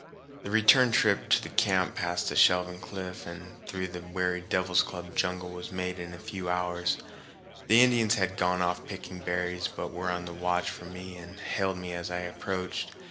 The return trip to the camp past the shelving cliff and through the weary devil's club jungle was made in a few hours. The Indians had gone off picking berries, but were on the watch for me and hailed me as I approached.